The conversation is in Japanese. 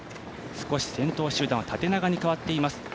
少し先頭集団は縦長に変わっています。